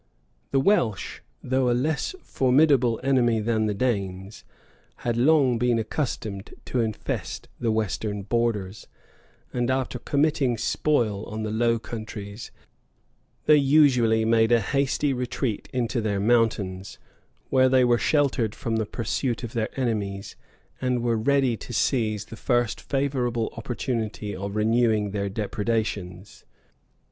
The Welsh, though a less formidable enemy than the Danes, had long been accustomed to infest the western borders; and after committing spoil on the low countries, they usually made a hasty retreat into their mountains, where they were sheltered from the pursuit of their enemies, and were ready to seize the first favorable opportunity of renewing their depredations.